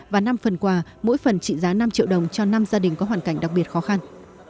và năm phần quà mỗi phần trị giá năm triệu đồng cho năm gia đình có hoàn cảnh đặc biệt khó khăn